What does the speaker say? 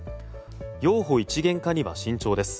幼保一元化には慎重です。